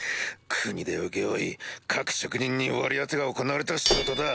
国で請け負い各職人に割り当てが行われた仕事だ。